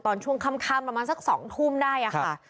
ตอนช่วงค่ำประมาณสักสองทุ่มนะครับ